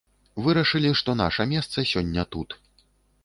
Вырашылі, што наша месца сёння тут.